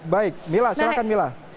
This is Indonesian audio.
baik mila silahkan mila